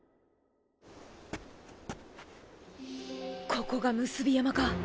ここが産霊山か。